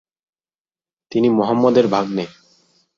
তিনি মুহাম্মদ এর ভাগ্নে।